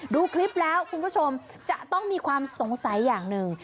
ดูคลิปแล้วคุณผู้ชมจะต้องมีความสงสัยอย่างหนึ่ง